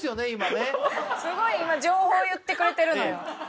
今ねすごい今情報言ってくれてるのよ